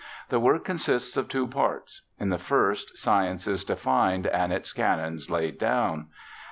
The work con sists of two parts : in the first science is defined and its canons laid down.